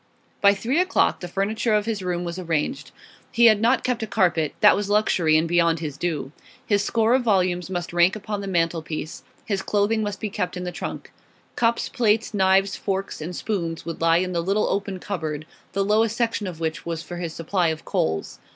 By three o'clock the furniture of his room was arranged. He had not kept a carpet; that was luxury, and beyond his due. His score of volumes must rank upon the mantelpiece; his clothing must be kept in the trunk. Cups, plates, knives, forks, and spoons would lie in the little open cupboard, the lowest section of which was for his supply of coals.